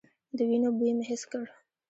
د وينو بوی مې حس کړ.